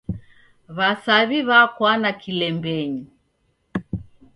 W'asaw'i w'akwana kilembenyi.